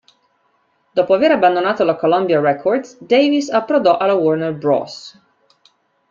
Dopo aver abbandonato la Columbia Records, Davis approdò alla Warner Bros.